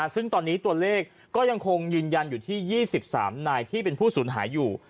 ซึ่งตอนนี้ตัวเลขก็ยังคงยืนยันอยู่ที่๒๓นายที่เป็นผู้สูญหายอยู่